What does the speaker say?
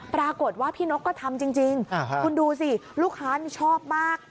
ปรากฏว่าพี่นกก็ทำจริงคุณดูสิลูกค้านี่ชอบมาก